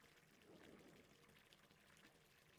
Ha publicado un álbum y ha hecho una gira internacional.